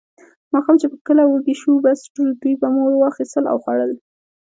ماښام چې به کله وږي شوو، بس دوی به مو اخیستل او خوړل.